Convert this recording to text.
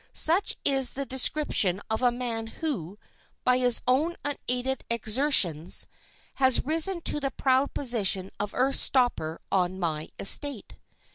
Such is the description of a man who, by his own unaided exertions, has risen to the proud position of earth stopper on my estate.